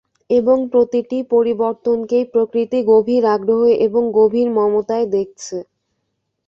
এবং প্রতিটি পরিবর্তনকেই প্রকৃতি গভীর আগ্রহে এবং গভীর মমতায় দেখছে।